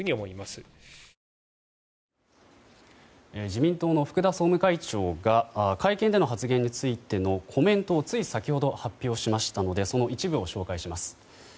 自民党の福田総務会長が会見での発言についてのコメントをつい先ほど発表したのでその一部を紹介します。